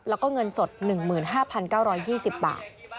แล้วก็เงินสด๑๕๙๒๐บาท